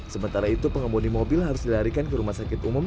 sementara itu pengemudi mobil harus dilarikan ke rumah sakit umum